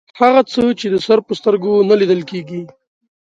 هغه څه چې د سر په سترګو نه لیدل کیږي